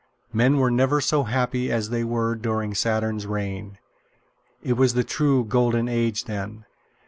Men were never so happy as they were during Saturn's reign. It was the true Golden Age then.